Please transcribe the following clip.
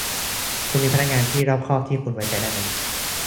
คุณมีพนักงานที่รอบคอบที่คุณไว้ใจไหม